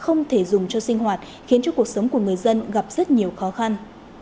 không thể dùng cho sinh hoạt khiến cho cuộc sống của người dân gặp rất nhiều khó khăn